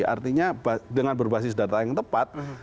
artinya dengan berbasis data yang tepat